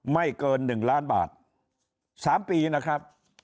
ไม่เกินหนึ่งล้านบาทสามปีนะครับ